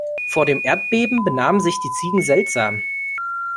Vor dem Erdbeben benahmen sich die Ziegen seltsam.